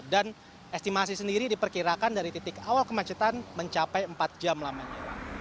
dan estimasi sendiri diperkirakan dari titik awal kemacetan mencapai empat jam lamanya